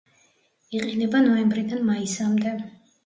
იყინება ნოემბრიდან მაისამდე.